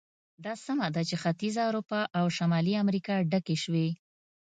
دا سمه ده چې ختیځه اروپا او شمالي امریکا ډکې شوې.